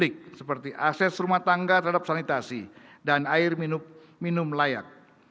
seperti akses rumah tangga terhadap sanitasi dan air minum layak